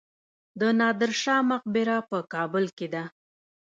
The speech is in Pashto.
د نادر شاه مقبره په کابل کې ده